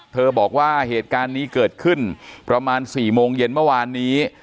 บอกว่าเหตุการณ์นี้เกิดขึ้นประมาณ๔โมงเย็นเมื่อวานนี้